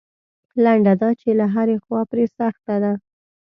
لنډه دا چې له هرې خوا پرې سخته ده.